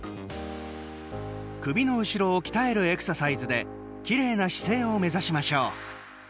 首の後ろを鍛えるエクササイズできれいな姿勢を目指しましょう。